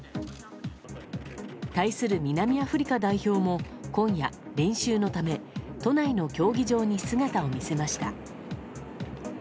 対する南アフリカ代表も今夜、練習のため都内の競技場に姿を見せました。